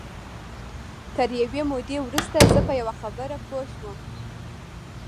تر یوې مودې وروسته زه په یوه خبره پوه شوم